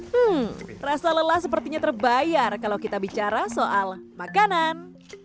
hmm rasa lelah sepertinya terbayar kalau kita bicara soal makanan